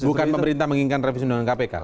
bukan pemerintah menginginkan revisi undang undang kpk